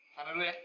tanda dulu ya